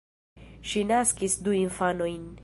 Ŝi naskis du infanojn.